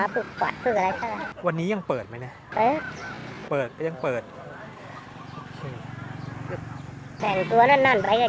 เป็นอะไรคนเพิ่งเล่นแต่ก็ลงมา